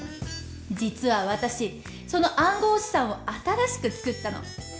実は私その暗号資産を新しく作ったの。